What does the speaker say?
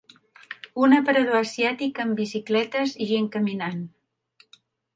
Un aparador asiàtic amb bicicletes i gent caminant.